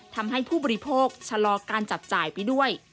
ทำให้ผู้บริโภคชะลอการจับจ่ายไปด้วย